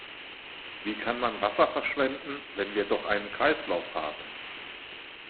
Wie kann man Wasser verschwenden, wenn wir doch einen Kreislauf haben?